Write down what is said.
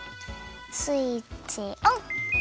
スイッチオン！